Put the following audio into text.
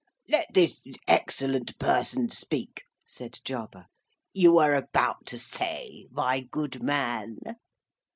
"Let this excellent person speak," said Jarber. "You were about to say, my good man?"